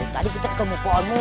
tadi kita kemu kemu